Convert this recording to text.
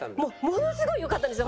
ものすごい良かったんですよ